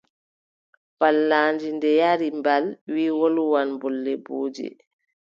Pallaandi nde yari mbal, wiʼi wolwan bolle mboodi.